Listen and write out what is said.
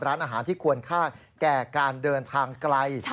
ร้านอาหารที่ควรค่าแก่การเดินทางไกล